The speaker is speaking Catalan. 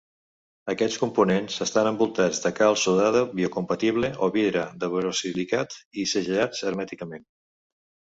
Aquests components estan envoltats de calç sodada biocompatible o vidre de borosilicat i segellats hermèticament.